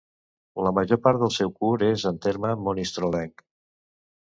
La major part del seu curs és en terme monistrolenc.